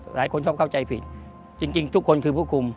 หลายคนชอบเข้าใจผิดจริงทุกคนคือผู้คุม